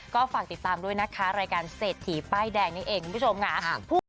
ก็ฝากติดตามด้วยนะคะรายการเศรษฐีป้ายแดงนี่เองคุณผู้ชมค่ะ